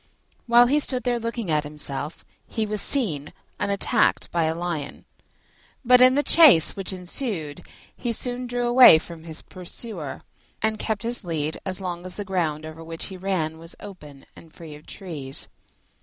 While he stood there looking at himself, he was seen and attacked by a Lion; but in the chase which ensued, he soon drew away from his pursuer, and kept his lead as long as the ground over which he ran was open and free of trees.